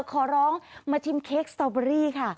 ขอร้องมาชิมเค้กสตอเบอรี่ค่ะ